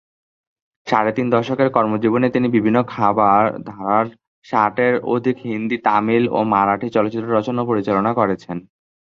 সাড়ে তিন দশকের কর্মজীবনে তিনি বিভিন্ন ধারার ষাটের অধিক হিন্দি, তামিল ও মারাঠি চলচ্চিত্র রচনা ও পরিচালনা করেছেন।